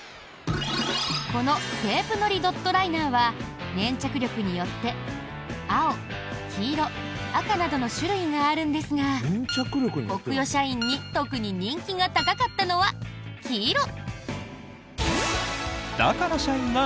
このテープのりドットライナーは粘着力によって青、黄色、赤などの種類があるんですがコクヨ社員に特に人気が高かったのは、黄色。